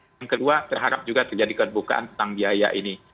yang kedua terharap juga terjadi kebukaan tentang biaya ini